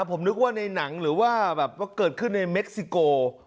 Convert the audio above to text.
ผมนึกว่าในหนังหรือว่าแบบว่าเกิดขึ้นในเม็กซิโก